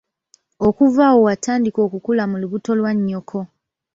Okuva awo watandika okukula mu lubuto lwa nnyoko.